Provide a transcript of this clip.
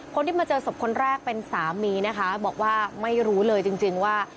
คนที่มาเจอศพคนแรกเป็นสามีนะคะบอกว่าไม่รู้เลยจริงว่า